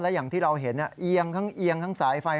อย่างที่เราเห็นเอียงทั้งเอียงทั้งสายไฟ